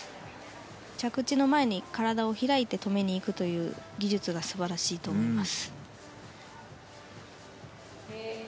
着地の前に体を開いて止めにいくという技術が素晴らしいと思います。